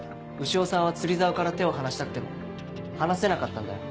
潮さんは釣り竿から手を離したくても離せなかったんだよ。